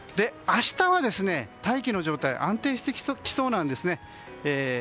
明日は大気の状態が安定してきそうなんですね。